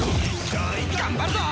頑張るぞ！